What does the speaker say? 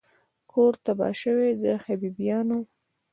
کور تباه سوی د حبیبیانو